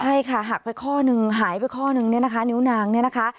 ใช่ค่ะหักไปข้อหนึ่งหายไปข้อนึงเนี่ยนะคะนิ้วนางเนี่ยนะคะ